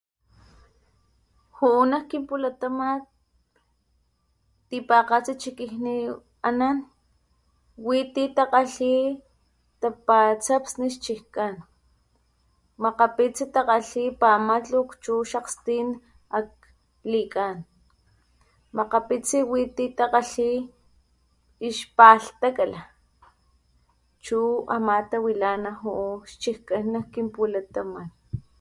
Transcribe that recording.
Ju´u nak kinpulataman tipakgatsi chikijni anan witi takgalhi tapatsapsni chijkan makgapitsi takgalhi pamatluk chu xastin aklikan makgapitsi witi takgalhi xpalhtakala chu ama tawilana xchikkaj kinpulataman.